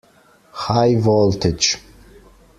High voltage!